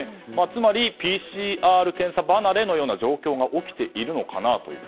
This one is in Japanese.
つまり、ＰＣＲ検査離れのような状況が起きているのかなと。